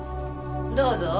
どうぞ。